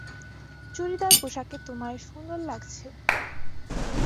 চুরিদার পোষাকে তোমায় সুন্দর লাগছে।